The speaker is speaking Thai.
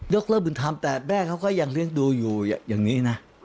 กเลิกบุญธรรมแต่แม่เขาก็ยังเลี้ยงดูอยู่อย่างนี้นะ